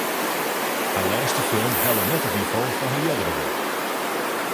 Har lêste film helle net it nivo fan har eardere wurk.